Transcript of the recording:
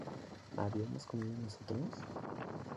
¿habíamos comido nosotros?